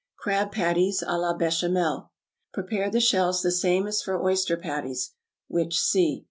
=Crab Patties, à la Bechamel.= Prepare the shells the same as for oyster patties (which see).